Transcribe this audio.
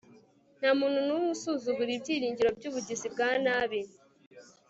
Nta muntu numwe Asuzugura ibyiringiro byubugizi bwa nabi